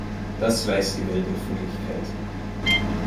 Das weiß die Weltöffentlichkeit.